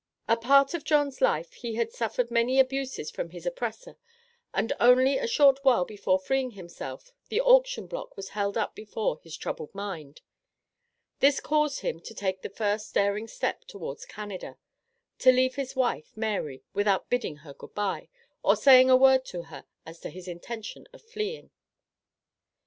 A part of John's life he had suffered many abuses from his oppressor, and only a short while before freeing himself, the auction block was held up before his troubled mind. This caused him to take the first daring step towards Canada, to leave his wife, Mary, without bidding her good bye, or saying a word to her as to his intention of fleeing.